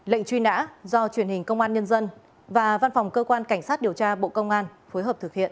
lệnh truy nã do truyền hình công an nhân dân và văn phòng cơ quan cảnh sát điều tra bộ công an phối hợp thực hiện